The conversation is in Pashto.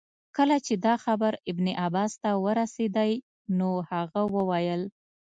کله چي دا خبر ابن عباس ته ورسېدی نو هغه وویل.